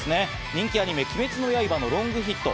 人気アニメ『鬼滅の刃』のロングヒット。